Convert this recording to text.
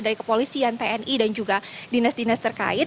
dari kepolisian tni dan juga dinas dinas terkait